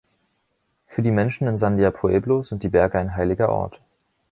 Für die Menschen in Sandia Pueblo sind die Berge ein heiliger Ort.